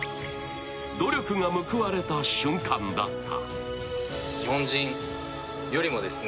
努力が報われた瞬間だった。